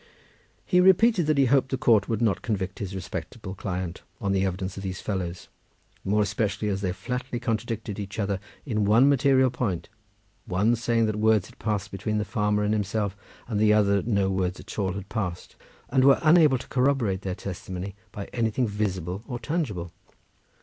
He repeated that he hoped the court would not convict his respectable client on the evidence of these fellows, more especially as they flatly contradicted each other in one material point, one saying that words had passed between the farmer and himself, and the other that no words at all had passed, and were unable to corroborate their testimony by anything visible or tangible.